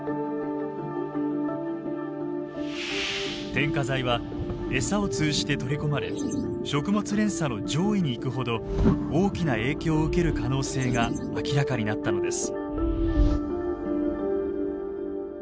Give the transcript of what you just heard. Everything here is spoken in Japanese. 添加剤は餌を通じて取り込まれ食物連鎖の上位に行くほど大きな影響を受ける可能性が明らかになったのです。